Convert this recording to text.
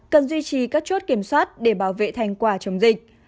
cần duy trì các chốt kiểm soát để bảo vệ thành quả chống dịch